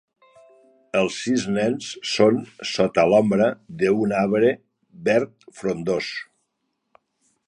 Els sis nens són sota l'ombra d'un arbre verd frondós.